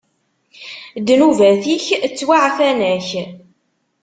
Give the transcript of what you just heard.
Ddnubat-ik ttwaɛfan-ak.